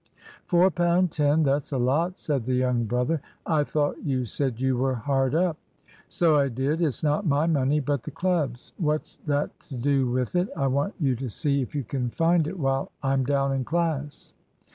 "Four pound ten that's a lot," said the young brother. "I thought you said you were hard up?" "So I did. It's not my money, but the club's. What's that to do with it? I want you to see if you can find it while I'm down in class."